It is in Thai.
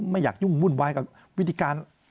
ไม่อยากยุ่งวุ่นวายกับวิธีการ